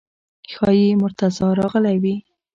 ښایي مرتضی راغلی وي.